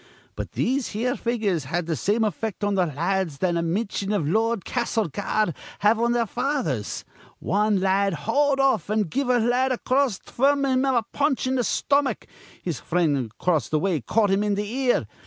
But these here figures had th' same effect on th' la ads that a mintion iv Lord Castlereagh'd have on their fathers. Wan la ad hauled off, an' give a la ad acrost fr'm him a punch in th' stomach. His frind acrost th' way caught him in th' ear.